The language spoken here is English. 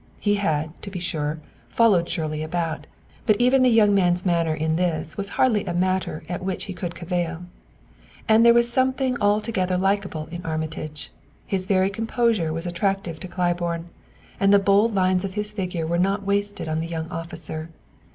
He had, to be sure, followed Shirley about, but even the young man's manner in this was hardly a matter at which he could cavil. And there was something altogether likable in Armitage; his very composure was attractive to Claiborne; and the bold lines of his figure were not wasted on the young officer.